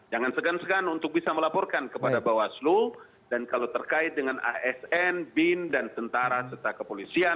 jangan segan segan untuk bisa melaporkan kepada bawaslu dan kalau terkait dengan asn bin dan tentara serta kepolisian